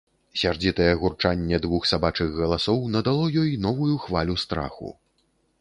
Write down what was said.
Сярдзітае гурчанне двух сабачых галасоў надало ёй новую хвалю страху.